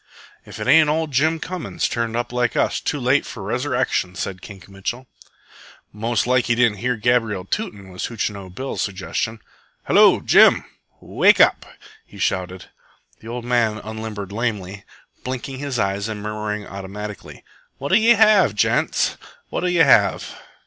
"If it ain't ol' Jim Cummings, turned up like us, too late for Resurrection!" said Kink Mitchell. "Most like he didn't hear Gabriel tootin'," was Hootchinoo Bill's suggestion. "Hello, Jim! Wake up!" he shouted. The old man unlimbered lamely, blinking his eyes and murmuring automatically: "What'll ye have, gents? What'll ye have?"